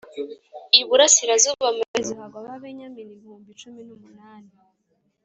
Iburasirazuba amaherezo hagwa ababenyamini ibihumbi cumi n umunani